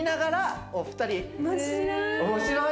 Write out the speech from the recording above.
面白い。